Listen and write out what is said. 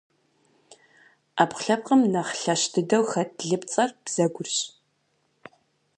Ӏэпкълъэпкъым нэхъ лъэщ дыдэу хэт лыпцӏэр - бзэгурщ.